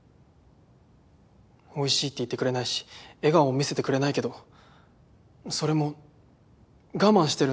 おいしいって言ってくれないし笑顔も見せてくれないけどそれも我慢してるんだと思う。